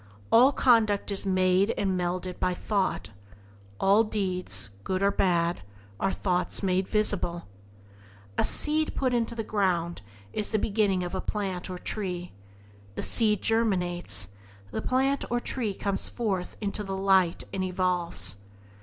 All conduct is made and melded by thought; all deeds, good or bad, are thoughts made visible. A seed put into the ground is the beginning of a plant or tree; the seed germinates, the plant or tree comes forth into the light and evolves.